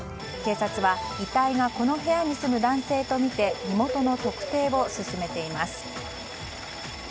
警察は遺体がこの部屋に住む男性とみて身元の特定を進めています。